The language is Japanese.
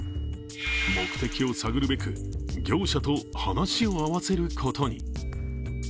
目的を探るべく業者と話を合わせることに。